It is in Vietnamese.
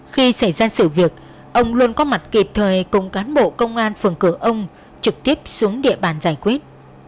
khi xảy ra sự việc ông luôn có mặt kịp thời cùng cán bộ công an phường cửa ông trực tiếp xuống địa bàn giải quyết